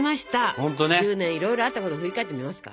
１０年いろいろあったことを振り返ってみますか？